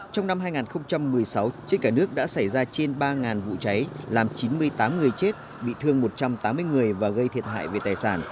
trong năm hai nghìn một mươi sáu trên cả nước đã xảy ra trên ba vụ cháy làm chín mươi tám người chết bị thương một trăm tám mươi người và gây thiệt hại về tài sản